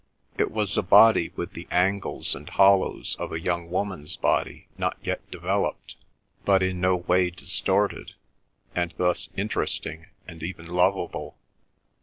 It was a body with the angles and hollows of a young woman's body not yet developed, but in no way distorted, and thus interesting and even lovable.